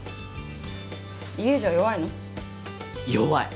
家じゃ弱いの？弱い。